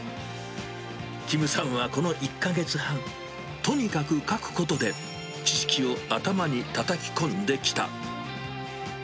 キムさんはこの１か月半、とにかく書くことで、知識を頭にたたき込んできた。